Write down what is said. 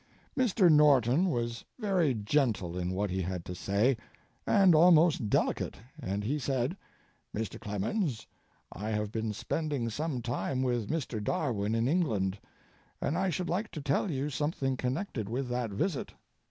Mr. Norton was very gentle in what he had to say, and almost delicate, and he said: "Mr. Clemens, I have been spending some time with Mr. Darwin in England, and I should like to tell you something connected with that visit.